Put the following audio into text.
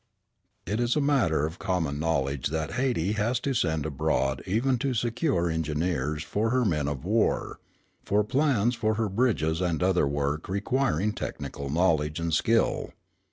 It is a matter of common knowledge that Hayti has to send abroad even to secure engineers for her men of war, for plans for her bridges and other work requiring technical knowledge and skill.